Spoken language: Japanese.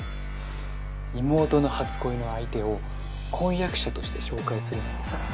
妹の初恋の相手を婚約者として紹介するなんてさ。